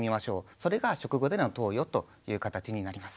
それが食後での投与という形になります。